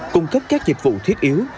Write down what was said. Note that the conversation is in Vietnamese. cung cấp các dịch vụ thiết yếu